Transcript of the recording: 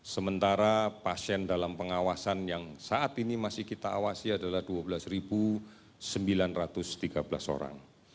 sementara pasien dalam pengawasan yang saat ini masih kita awasi adalah dua belas sembilan ratus tiga belas orang